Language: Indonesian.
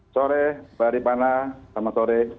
sore pak arifana selamat sore